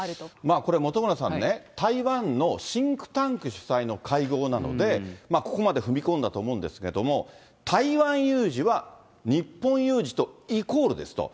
これ本村さんね、台湾のシンクタンク主催の会合なので、ここまで踏み込んだと思うんですけれども、台湾有事は日本有事とイコールですと。